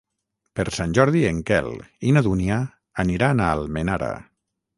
Per Sant Jordi en Quel i na Dúnia aniran a Almenara.